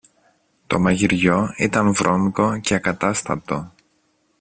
Το μαγειριό ήταν βρώμικο και ακατάστατο.